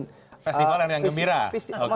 festival yang riang dan gembira